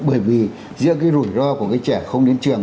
bởi vì giữa cái rủi ro của cái trẻ không đến trường